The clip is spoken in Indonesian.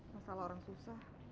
masalah orang susah